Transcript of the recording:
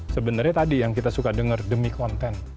sebenarnya tadi yang kita suka dengar demi konten